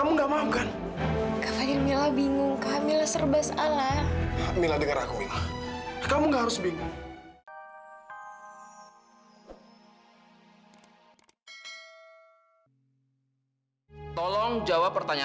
sampai jumpa di video selanjutnya